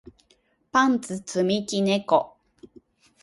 パンツ積み木猫